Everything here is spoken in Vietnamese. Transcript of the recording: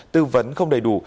tư vấn không đầy đủ